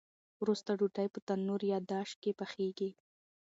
وروسته ډوډۍ په تنور یا داش کې پخیږي.